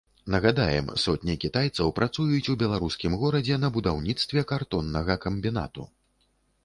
Нагадаем, сотні кітайцаў працуюць у беларускім горадзе на будаўніцтве картоннага камбінату.